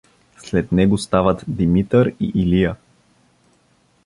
След него стават Димитър и Илия.